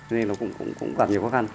nên nó cũng gặp nhiều khó khăn